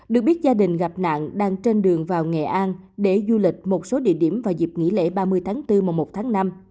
được biết gia đình gặp nạn đang trên đường vào nghệ an để du lịch một số địa điểm vào dịp nghỉ lễ ba mươi tháng bốn mùa một tháng năm